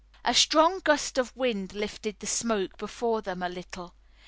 A strong gust of wind lifted the smoke before them a little.